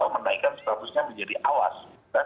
menaikan seharusnya menjadi awas